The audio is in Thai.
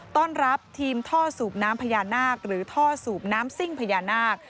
ต้อนรับทีมท่อสูบน้ำพญานาคหรือท่อสูบน้ำซิ่งพญานาค